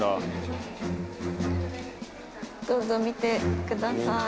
どうぞ、見てください。